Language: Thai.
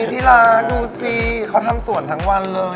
ที่รักดูสิเขาทำสวนทั้งวันเลย